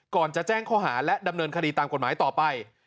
ก่อนจะแจ้งข้อหาและดำเนินคดีตามกฎหมายต่อไป